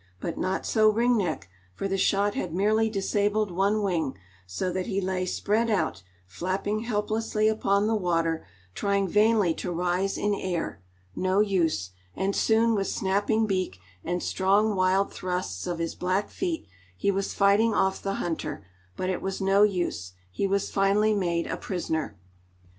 But not so Ring Neck, for the shot had merely disabled one wing, so that he lay spread out, flapping helplessly upon the water, trying vainly to rise in air; no use, and soon with snapping beak, and strong, wild thrusts of his black feet he was fighting off the hunter, but it was no use; he was finally made a prisoner.